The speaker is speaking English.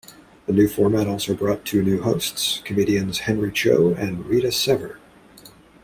The new format also brought two new hosts: comedians Henry Cho and Rita Sever.